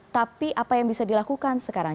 tapi apa yang bisa dilakukan sekarang